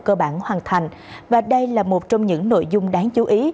cơ bản hoàn thành và đây là một trong những nội dung đáng chú ý